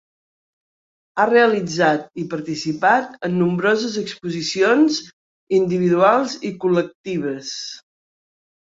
Ha realitzat i participat en nombroses exposicions individuals i col·lectives.